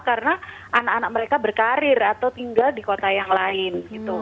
karena anak anak mereka berkarir atau tinggal di kota yang lain